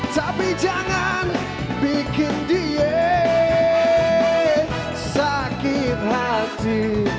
tapi jangan bikin dia sakit hati